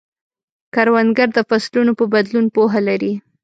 کروندګر د فصلونو په بدلون پوهه لري